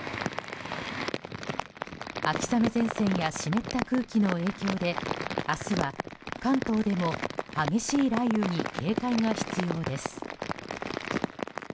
秋雨前線や湿った空気の影響で明日は関東でも激しい雷雨に警戒が必要です。